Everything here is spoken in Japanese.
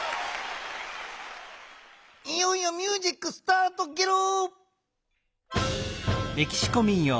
いよいよミュージックスタートゲロ！